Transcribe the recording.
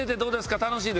楽しいですか？